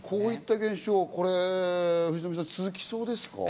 こういった現象、藤富さん、続きそうですか？